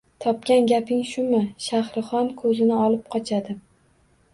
— Topgan gaping shu! — Shahrixon ko‘zini olib qochadi.